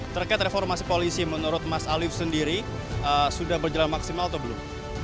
terkait reformasi polisi menurut mas alif sendiri sudah berjalan maksimal atau belum